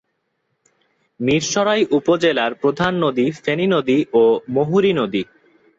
মীরসরাই উপজেলার প্রধান নদী ফেনী নদী ও মুহুরী নদী।